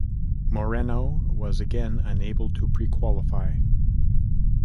Moreno was again unable to prequalify.